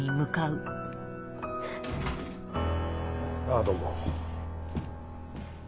あぁどうも。